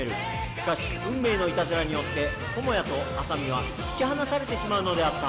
しかし、運命のいたずらによって、ともやとあさみは引き離されてしまうのであった。